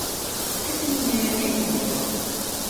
A wrussyn ni neuvya y'n mor?